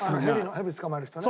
ヘビ捕まえる人ね。